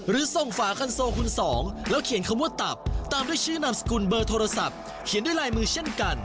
หรือส่งฝาคันโซคุณสองแล้วเขียนคำว่าตับตามด้วยชื่อนามสกุลเบอร์โทรศัพท์เขียนด้วยลายมือเช่นกัน